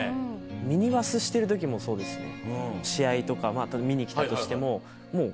ミニバスしてる時もそうですね。